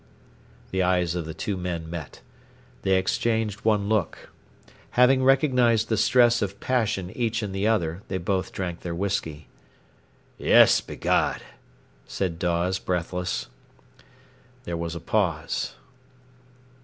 The eyes of the two men met. They exchanged one look. Having recognised the stress of passion each in the other, they both drank their whisky. "Yes, begod!" said Dawes, breathless. There was a pause.